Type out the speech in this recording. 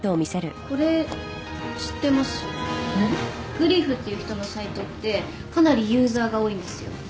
グリフっていう人のサイトってかなりユーザーが多いんですよ。